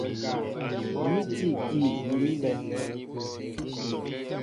Ni tí ikii ni ní bɛ̌n.